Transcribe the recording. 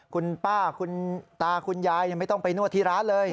คุณป้าคุณตาคุณยายไม่ต้องไปนวดที่ร้านเลย